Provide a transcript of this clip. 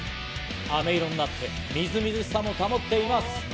飴色になって、みずみずしさも保っています。